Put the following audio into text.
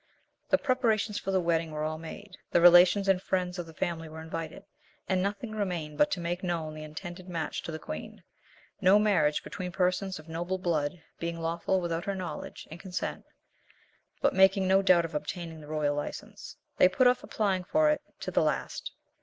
The preparations for the wedding were all made, the relations and friends of the family were invited, and nothing remained but to make known the intended match to the Queen, no marriage between persons of noble blood being lawful without her knowledge and consent; but making no doubt of obtaining the royal licence, they put off applying for it to the last.